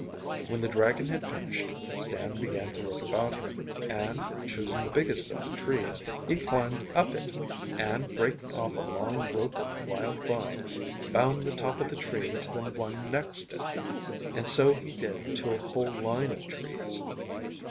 When the dragon had finished, Stan began to look about him, and, choosing the biggest of the trees, he climbed up it, and, breaking off a long rope of wild vine, bound the top of the tree to the one next it. And so he did to a whole line of trees.